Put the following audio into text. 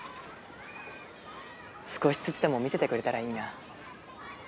少しずつでも見せてくれたらいいな。